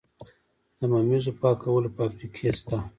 د ممیزو پاکولو فابریکې شته؟